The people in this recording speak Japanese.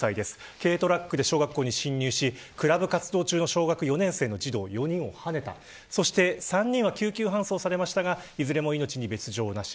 軽トラックで小学校に侵入しクラブ活動中の小学４年生の児童４人をはねたそして３人は救急搬送されましたがいずれも命に別条なし。